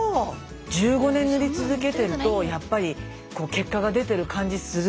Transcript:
１５年塗り続けてるとやっぱり結果が出てる感じする？